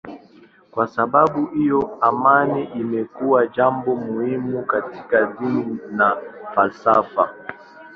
Kwa sababu hiyo amani imekuwa jambo muhimu katika dini na falsafa.